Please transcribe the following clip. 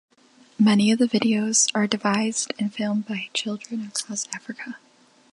Many of the videos are devised and filmed by children across Africa.